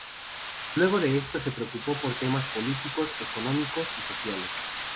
Luego de esto se preocupó por temas políticos, económicos y sociales.